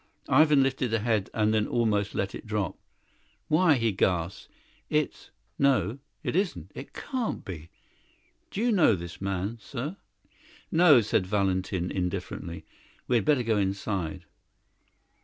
Ivan lifted the head, and then almost let it drop. "Why," he gasped, "it's no, it isn't; it can't be. Do you know this man, sir?" "No," said Valentin indifferently; "we had better go inside."